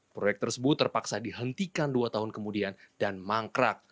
proyek tersebut terpaksa dihentikan dua tahun kemudian dan mangkrak